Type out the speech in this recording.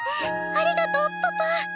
ありがとうパパ！